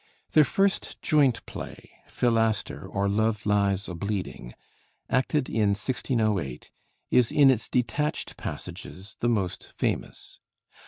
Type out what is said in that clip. Their first joint play, 'Philaster, or Love Lies a Bleeding,' acted in 1608, is in its detached passages the most famous.